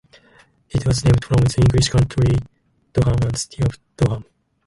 It was named from the English County Durham and city of Durham.